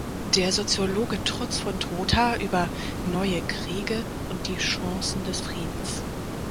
Der Soziologe Trutz von Trotha über »neue Kriege« und die Chancen des Friedens.